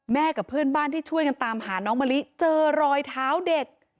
กับเพื่อนบ้านที่ช่วยกันตามหาน้องมะลิเจอรอยเท้าเด็ก